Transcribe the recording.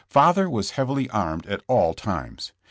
Father was heavily armed at all times.